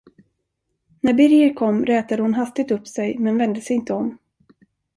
När Birger kom, rätade hon hastigt upp sig, men vände sig inte om.